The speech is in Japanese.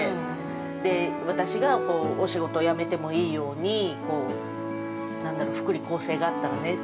で、私が、お仕事を辞めてもいいように、こう何だろう、福利厚生があったらね。